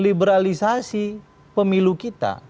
liberalisasi pemilu kita